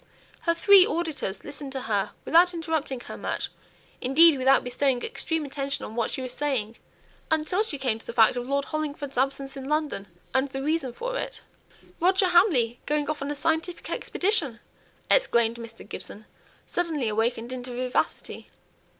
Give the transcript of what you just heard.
Her three auditors listened to her without interrupting her much indeed, without bestowing extreme attention on what she was saying, until she came to the fact of Lord Hollingford's absence in London, and the reason for it. "Roger Hamley going off on a scientific expedition!" exclaimed Mr. Gibson, suddenly awakened into vivacity.